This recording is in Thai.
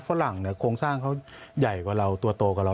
ฝรั่งเนี่ยโครงสร้างเขาใหญ่กว่าเราตัวโตกว่าเรา